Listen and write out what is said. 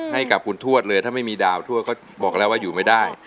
ให้กับคุณทวดเลยถ้าไม่มีดาวทวดก็บอกแล้วว่าอยู่ไม่ได้